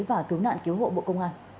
và cứu nạn cứu hộ bộ công an